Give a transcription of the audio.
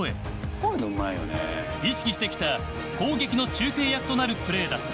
意識してきた攻撃の中継役となるプレーだった。